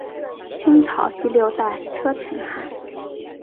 清朝第六代车臣汗。